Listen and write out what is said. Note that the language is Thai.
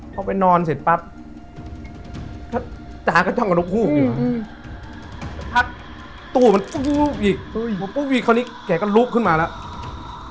ถ้าจางก็ต้องกระดูกภูมิอยู่ถ้าตู้มันปุ๊บอีกพอปุ๊บอีกเขาก็ลุบขึ้นมาแล้ว